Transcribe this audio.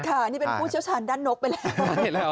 ค่ะนี่เป็นผู้เชี่ยวชาญด้านนกไปแล้ว